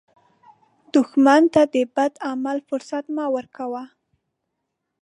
دښمن ته د بد عمل فرصت مه ورکوه